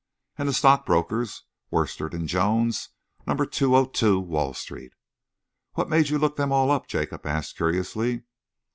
And the stockbrokers, Worstead and Jones, Number 202 Wall Street." "What made you look them all up?" Jacob asked curiously.